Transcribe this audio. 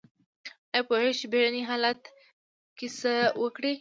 ایا پوهیږئ چې بیړني حالت کې څه وکړئ؟